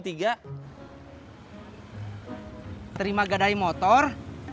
terima gadai motor